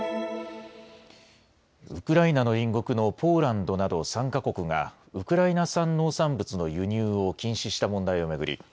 ウクライナの隣国のポーランドなど３か国がウクライナ産農産物の輸入を禁止した問題を巡り